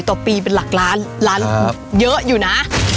ต่อปีเป็นหลักล้านล้านเยอะอยู่นะ